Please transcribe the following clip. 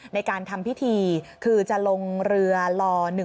ในการทำพิธีคือจะลงเรือล๑๒